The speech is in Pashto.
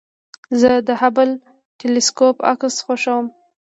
زه د هبل ټېلسکوپ عکس خوښوم.